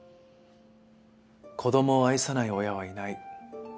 「子どもを愛さない親はいない」